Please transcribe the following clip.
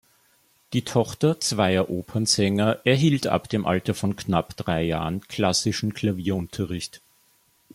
Die Tochter zweier Opernsänger erhielt ab dem Alter von knapp drei Jahren klassischen Klavierunterricht.